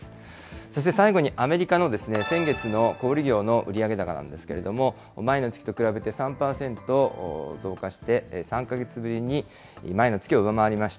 そして、最後にアメリカの先月の小売り業の売上高なんですけれども、前の月と比べて３％増加して、３か月ぶりに前の月を上回りました。